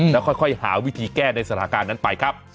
แล้วค่อยหาวิธีแก้ในสถานการณ์นั้นไปครับ